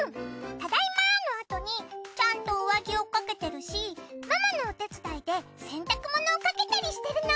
ただいまのあとにちゃんと上着をかけてるしママのお手伝いで洗濯物をかけたりしてるの。